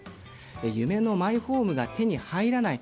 夢のマイホームが手に入らない